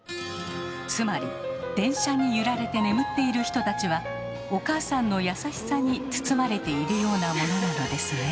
つまり電車に揺られて眠っている人たちはお母さんの優しさに包まれているようなものなのですね。